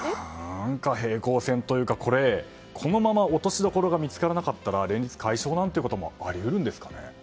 何か平行線というかこのまま落としどころが見つからなかったら連立解消なんてこともあり得るんですかね。